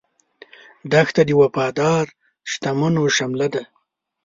دښته د وفادار شتمنو شمله ده.